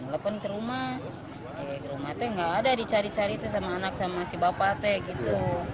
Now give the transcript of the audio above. lepas ke rumah rumah itu enggak ada dicari cari itu sama anak sama si bapak itu